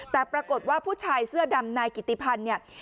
แต่ปรากฏว่าผู้ชายเสื้อดำนายกิติพันธ์เนี่ย